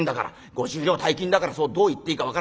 ５０両大金だからそうどう言っていいか分からねえ。